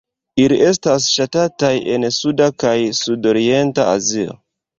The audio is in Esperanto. Ili estas ŝatataj en suda kaj sudorienta Azio.